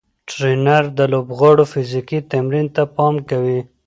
ټرېنر د لوبغاړو فزیکي تمرین ته پام کوي.